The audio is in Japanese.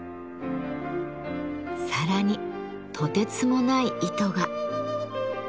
さらにとてつもない糸が。